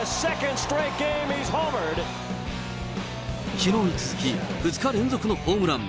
きのうに続き、２日連続のホームラン。